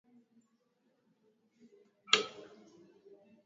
Moja ya changamoto walizozipata kwa upande wa vijana wa kiume